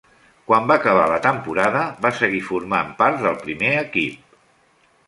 Quan va acabar la temporada, va seguir formant part del primer equip.